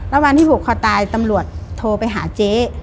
วันที่ผูกคอตายตำรวจโทรไปหาเจ๊